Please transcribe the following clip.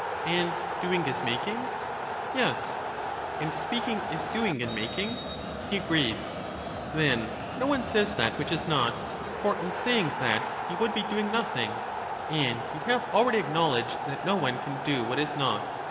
And doing is making? Yes. And speaking is doing and making? He agreed. Then no one says that which is not, for in saying that, he would be doing nothing; and you have already acknowledged that no one can do what is not.